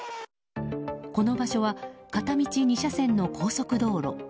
この場所は片道２車線の高速道路。